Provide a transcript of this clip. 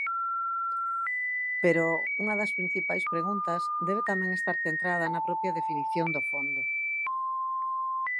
Pero unha das principais preguntas debe tamén estar centrada na propia definición do fondo.